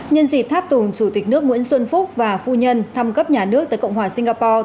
nhân dịp tháp tùng chủ tịch nước nguyễn xuân phúc và phu nhân thăm cấp nhà nước tới cộng hòa singapore